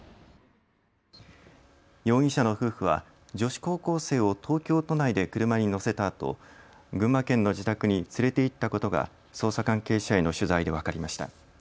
容疑者の夫婦は女子高校生を東京都内で車に乗せたあと群馬県の自宅に連れて行ったことが捜査関係者への取材で分かりました。